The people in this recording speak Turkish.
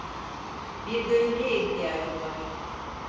Bir gönüllüye ihtiyacım var.